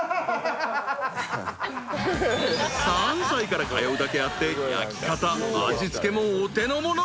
［３歳から通うだけあって焼き方味付けもお手のもの］